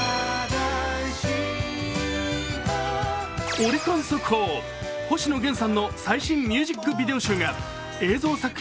オリコン速報、星野源さんの最新ミュージックビデオ集が映像作品